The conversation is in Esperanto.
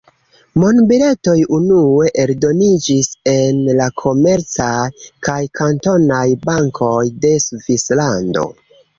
Monbiletoj unue eldoniĝis en la komercaj kaj kantonaj bankoj de Svislando.